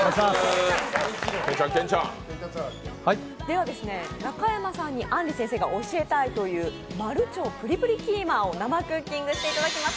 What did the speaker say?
では、中山さんにあんり先生が教えたいという丸腸ぷりぷりキーマを生クッキングしていただきます。